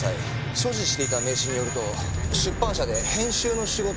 所持していた名刺によると出版社で編集の仕事をしていたようです。